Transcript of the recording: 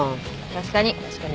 確かに。